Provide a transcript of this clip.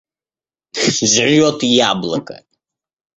Жрет яблоко.